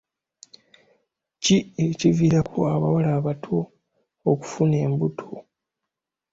ki ekiviirako abawala abato okufuna embuto?